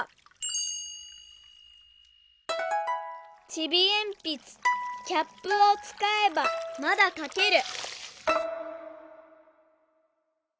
「ちびえんぴつキャップを使えばまだ書ける！」。